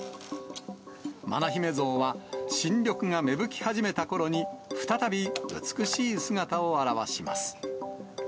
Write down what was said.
麻那姫像は、新緑が芽吹き始めたころに、再び美しい姿を現します。